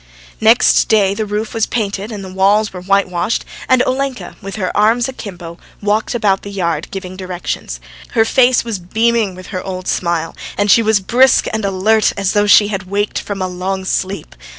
Next day the roof was painted and the walls were whitewashed, and Olenka, with her arms akimbo walked about the yard giving directions. Her face was beaming with her old smile, and she was brisk and alert as though she had waked from a long sleep.